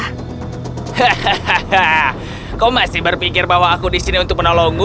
hahaha kau masih berpikir bahwa aku disini untuk menolongmu